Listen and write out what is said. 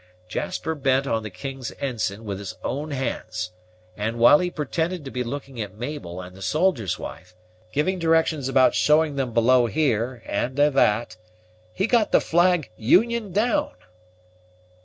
Jasper bent on the king's ensign with his own hands; and, while he pretended to be looking at Mabel and the soldier's wife, giving directions about showing them below here, and a that, he got the flag union down!"